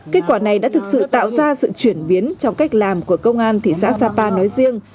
kết quả này đã thực sự tạo ra sự chuyển biến trong cách làm của công an thị xã sapa nói riêng